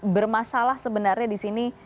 bermasalah sebenarnya disini